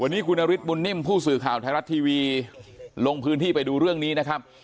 วันนี้คุณนฤทธบุญนิ่มผู้สื่อข่าวไทยรัฐทีวีลงพื้นที่ไปดูเรื่องนี้นะครับ